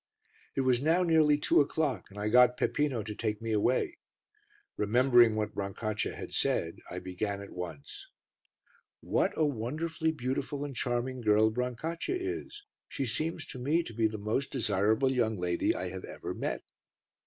It was now nearly two o'clock and I got Peppino to take me away. Remembering what Brancaccia had said, I began at once "What a wonderfully beautiful and charming girl Brancaccia is; she seems to me to be the most desirable young lady I have ever met."